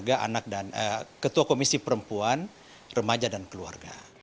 kepengurusan ketua komisi perempuan remaja dan keluarga